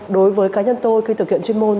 đối với cá nhân tôi khi thực hiện chuyên môn